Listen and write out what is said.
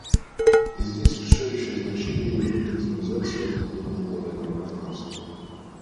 И здесь решающее значение имеют активизация и укрепление глобального партнерства.